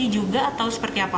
juga atau seperti apa